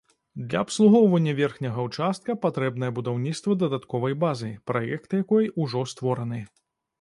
Для абслугоўвання верхняга ўчастка патрэбнае будаўніцтва дадатковай базы, праект якой ужо створаны.